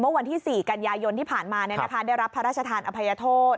วันที่๔กันยายนที่ผ่านมาได้รับพระราชทานอภัยโทษ